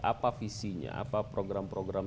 apa visinya apa program program